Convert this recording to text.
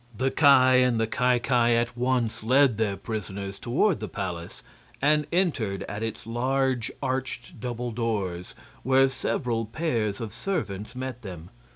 The Ki and the Ki Ki at once led their prisoners toward the palace and entered at its large arched double doors, where several pairs of servants met them.